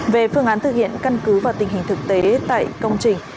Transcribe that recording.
về phương án thực hiện căn cứ vào tình hình thực tế tại công trình